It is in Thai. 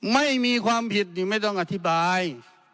ไม่มีความผิดนี่ไม่ต้องอธิบาย